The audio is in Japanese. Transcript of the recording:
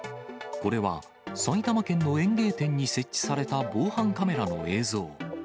これは、埼玉県の園芸店に設置された防犯カメラの映像。